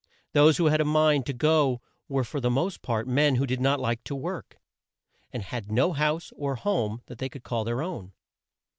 Those who had a mind to go were for the most part men who did not like to work, and had no house or home they could call their own.